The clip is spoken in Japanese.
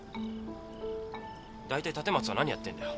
大体立松は何やってんだよ！